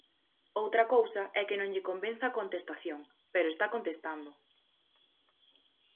Outra cousa é que non lle convenza a contestación, pero está contestando.